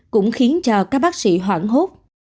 cũng khiến cho các bác sĩ hoảng hốt